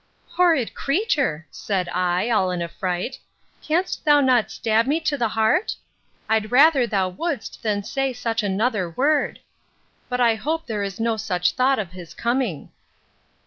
—Horrid creature! said I, all in a fright—Can'st thou not stab me to the heart? I'd rather thou would'st, than say such another word!—But I hope there is no such thought of his coming.